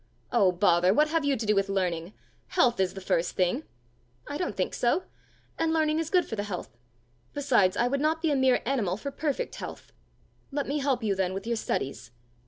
"Oh, bother! what have you to do with learning! Health is the first thing." "I don't think so and learning is good for the health. Besides, I would not be a mere animal for perfect health!" "Let me help you then with your studies."